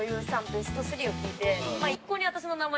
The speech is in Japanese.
ベスト３を聞いて。